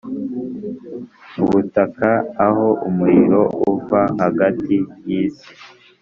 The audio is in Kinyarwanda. ubutaka aho umuriro uva hagati yisi